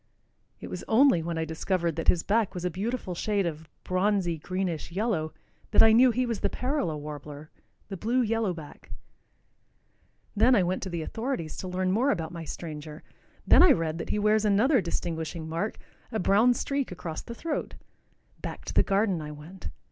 It was only when I discovered that his back was a beautiful shade of bronzy greenish yellow that I knew he was the parula warbler, the blue yellow back. Then I went to the authorities to learn more about my stranger. Then I read that he wears another distinguishing mark, a brown streak across the throat. Back to the garden I went.